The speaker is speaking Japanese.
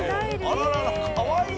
あらあらかわいい！